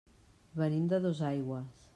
Venim de Dosaigües.